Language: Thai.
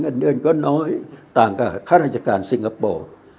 เงินเดือนก็น้อยต่างกับค่าราชการสิงคโปร์